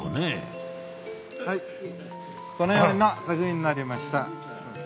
このような作品になりました。